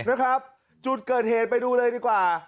นะครับจุดเกิดเหตุไปดูเลยดีกว่า